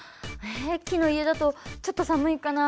え木の家だとちょっと寒いかな。